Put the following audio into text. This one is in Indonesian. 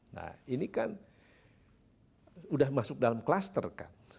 nah ini kan sudah masuk dalam kluster kan